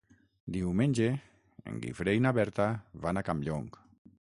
Diumenge en Guifré i na Berta van a Campllong.